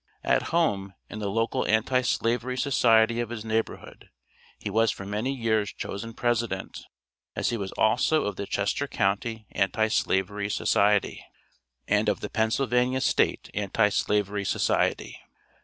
At home, in the local Anti slavery Society of his neighborhood, he was for many years chosen president, as he was also of the Chester county Anti slavery Society, and of the Pennsylvania State Anti slavery Society.